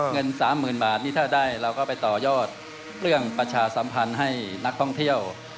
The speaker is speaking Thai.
เงิน๓๐๐๐บาทนี่ถ้าได้เราก็ไปต่อยอดเรื่องประชาสัมพันธ์ให้นักท่องเที่ยว